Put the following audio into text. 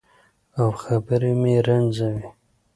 او خبرې مې رنځورې